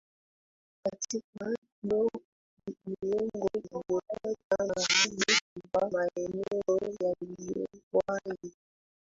Katika miongo iliyofuata Marekani ilitwaa maeneo yaliyowahi